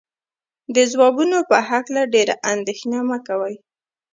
د ځوابونو په هکله ډېره اندېښنه مه کوئ.